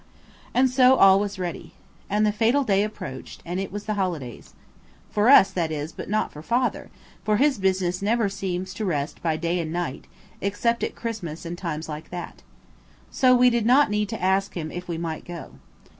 And so all was ready. And the fatal day approached; and it was the holidays. For us, that is, but not for Father, for his business never seems to rest by day and night, except at Christmas and times like that. So we did not need to ask him if we might go.